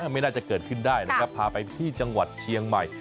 ไม่น่าจะเกิดขึ้นได้นะครับพาไปที่จังหวัดเชียงใหม่